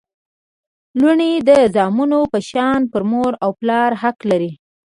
لوڼي د زامنو په شان پر مور او پلار حق لري